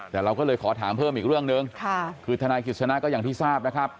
แต่เราก็เลยขอถามเพิ่มอีกเรื่องหนึ่งคือทนายกิจสนะก็อย่างที่ทราบนะครับ